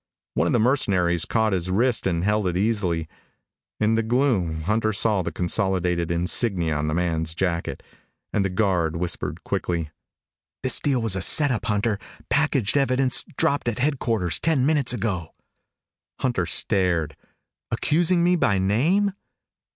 One of the mercenaries caught his wrist and held it easily. In the gloom Hunter saw the Consolidated insignia on the man's jacket, and the guard whispered quickly, "This deal was a set up, Hunter packaged evidence, dropped at headquarters ten minutes ago." Hunter stared. "Accusing me by name?